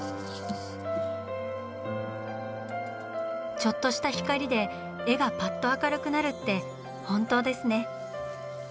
ちょっとした光で絵がパッと明るくなるって本当ですね。